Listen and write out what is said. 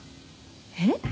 えっ？